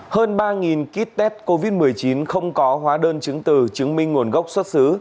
hơn ba kít tết covid một mươi chín không có hóa đơn chứng từ chứng minh nguồn gốc xuất xứ